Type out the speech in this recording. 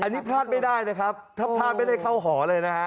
อันนี้พลาดไม่ได้นะครับถ้าพลาดไม่ได้เข้าหอเลยนะฮะ